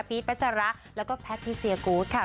พีทปัชะระแล้วก็แพทย์ที่เซียร์กู๊ตค่ะ